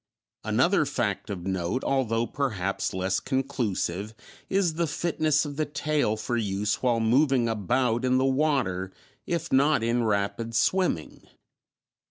Another fact of note, although perhaps less conclusive, is the fitness of the tail for use while moving about in the water, if not in rapid swimming.